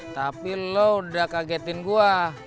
tapi lo udah kagetin gue